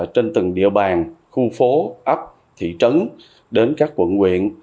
trên từng địa bàn khu phố ấp thị trấn đến các quận quyện